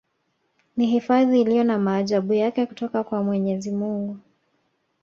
Ni hifadhi iliyo na maajabu yake kutoka kwa mwenyezi Mungu